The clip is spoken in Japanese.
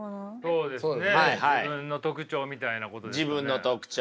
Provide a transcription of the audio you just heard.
そうですね。